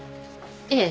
ええ。